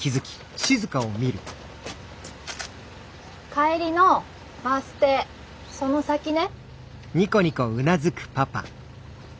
帰りのバス停その先ね。